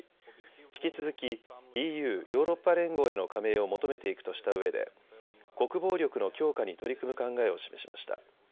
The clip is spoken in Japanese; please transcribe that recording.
引き続きＥＵ・ヨーロッパ連合への加盟を求めていくとしたうえで国防力の強化に取り組む考えを示しました。